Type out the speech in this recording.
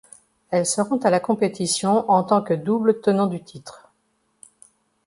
Elle se rend à la compétition en tant que double tenant du titre.